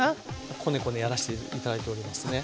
コネコネやらして頂いておりますね。